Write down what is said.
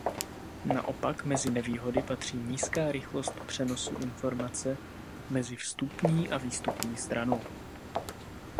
Naopak mezi nevýhody patří nízká rychlost přenosu informace mezi vstupní a výstupní stranou.